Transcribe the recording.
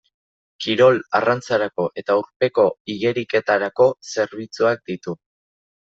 Kirol-arrantzarako eta urpeko igeriketarako zerbitzuak ditu.